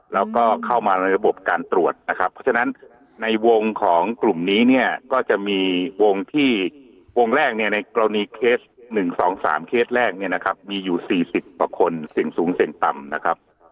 แล้วก็เข้ามาในระบบการตรวจนะครับเพราะฉะนั้นในวงของกลุ่มนี้เนี่ยก็จะมีวงที่วงแรกเนี่ยในกรณีเคส๑๒๓เคสแรกเนี่ยนะครับมีอยู่๔๐กว่าคนเสี่ยงสูงเสี่ยงต่ำนะครับ